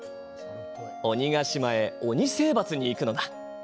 鬼ヶ島へ鬼せいばつに行くのだ。